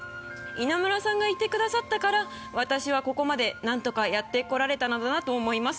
「稲村さんがいてくださったから私はここまで何とかやって来られたのだなと思います」